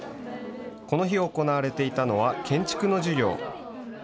この日、行われていたのは建築の授業。